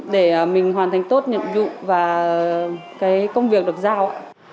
để mình hoàn thành tốt nhiệm vụ và cái công việc được giao